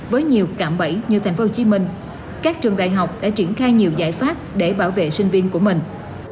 với nhiều cạm bẫy như thành phố hồ chí minh các trường đại học đã triển khai nhiều giải pháp để bảo vệ sinh viên của mình